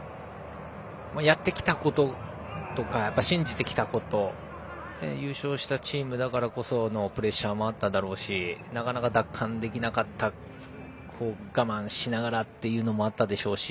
やってきたこととか信じてきたこと優勝したチームだからこそのプレッシャーもあっただろうしなかなか奪還できなかったから我慢しながらというのもあったでしょうし。